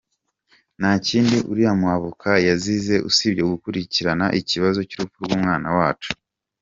Nta kindi uriya mu avocat yazize usibye gukulikirana ikibazo cy’urupfu rw’umwana wacu”